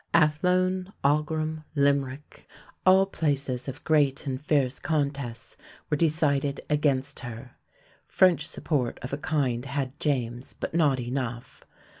Athlone, Aughrim, Limerick, all places of great and fierce contests, were decided against her. French support of a kind had James, but not enough.